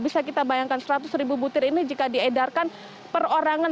bisa kita bayangkan seratus ribu butir ini jika diedarkan perorangan